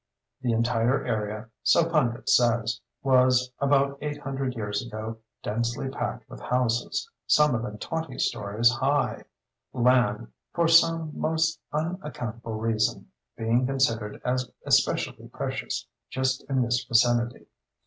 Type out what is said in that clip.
The entire area (so Pundit says) was, about eight hundred years ago, densely packed with houses, some of them twenty stories high; land (for some most unaccountable reason) being considered as especially precious just in this vicinity.